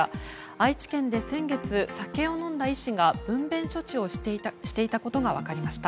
愛知県で先月、酒を飲んだ医師が分娩処置をしていたことが分かりました。